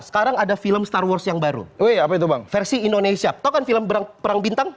sekarang ada film star wars yang baru wp doang versi indonesia tokan film berang perang bintang